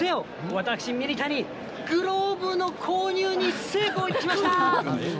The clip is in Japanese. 私ミニタニ、グローブの購入に成功いたしました。